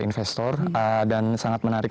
investor dan sangat menarik